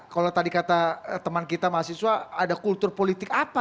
kalau tadi kata teman kita mahasiswa ada kultur politik apa